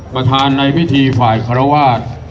ประธานในพิธีฝ่ายคารวาส